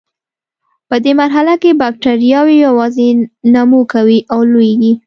په دې مرحله کې بکټریاوې یوازې نمو کوي او لویږي.